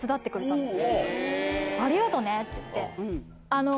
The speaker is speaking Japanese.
ありがとねって言って。